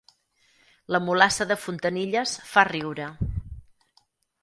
La mulassa de Fontanilles fa riure